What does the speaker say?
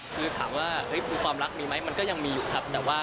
คือถามว่าความรักมีไหมมันก็ยังมีอยู่ครับ